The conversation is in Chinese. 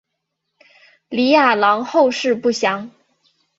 李雅郎后事不详。